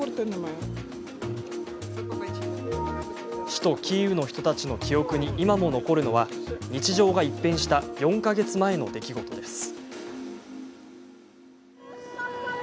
首都キーウの人たちの記憶に今も残るのは日常が一変した４か月前の出来事です。